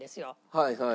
はいはい。